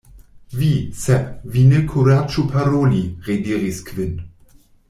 "Vi, Sep, vi ne kuraĝu paroli!" rediris Kvin.